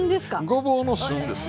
ごぼうの旬ですよ。